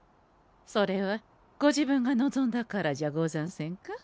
それはご自分が望んだからじゃござんせんか？